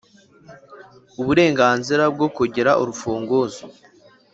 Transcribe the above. uburenganzira bwo kugira urufunguzo